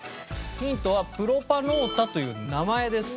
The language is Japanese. ヒントは「プロパノータ」という名前です。